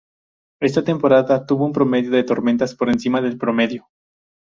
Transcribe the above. Esta temporada tuvo un promedio de tormentas por encima del promedio.